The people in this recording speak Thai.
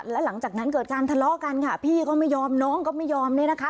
แล้วหลังจากนั้นเกิดการทะเลาะกันค่ะพี่ก็ไม่ยอมน้องก็ไม่ยอมเนี่ยนะคะ